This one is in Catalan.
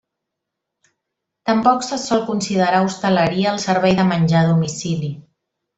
Tampoc se sol considerar hostaleria el servei de menjar a domicili.